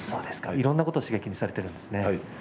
いろんなことを刺激にされているんですね。